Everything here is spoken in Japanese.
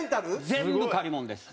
全部借り物です。